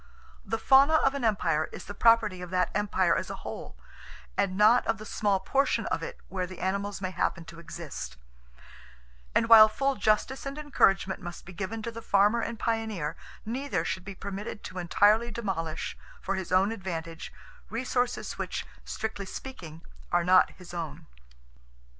The fauna of an empire is the property of that empire as a whole, and not of the small portion of it where the animals may happen to exist; and while full justice and encouragement must be given to the farmer and pioneer, neither should be permitted to entirely demolish for his own advantage resources which, strictly speaking, are not his own."